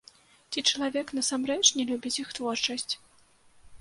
Ці чалавек насамрэч не любіць іх творчасць!